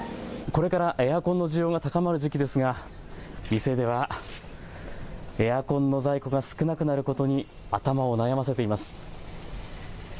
これからエアコンの需要が高まる時期ですが店ではエアコンの在庫が少なくなることに頭を悩ませています。